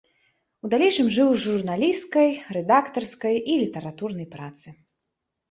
У далейшым жыў з журналісцкай, рэдактарскай і літаратурнай працы.